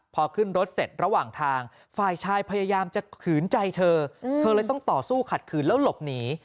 พอขึ้นรถเสร็จระหว่างทางฝ่ายชายพยายามจะขืนใจเธอเธอเลยต้องต่อสู้ขัดขืนแล้วหลบหนี